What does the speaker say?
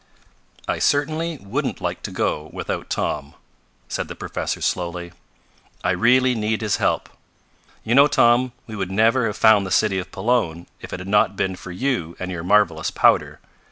"I certainly wouldn't like to go without Tom," said the professor slowly. "I really need his help. You know, Tom, we would never have found the city of Pelone if it had not been for you and your marvelous powder.